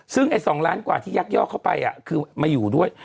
ซึ่งไอ้๒ล้านกว่าที่ยักยอกเข้าไปคือมาอยู่ด้วย